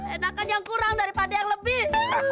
enakan yang kurang daripada yang lebih